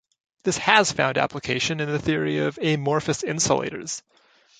This has found application in the theory of amorphous insulators.